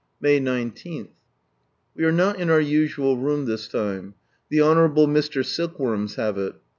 May 19. — We are not in our usual room this time. The honourable Mr. Silkworms have it.